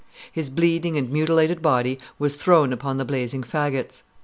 his bleeding and mutilated body was thrown upon the blazing fagots.